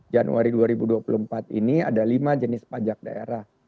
januari dua ribu dua puluh empat ini ada lima jenis pajak daerah